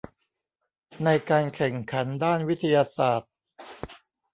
ในการแข่งขันด้านวิทยาศาสตร์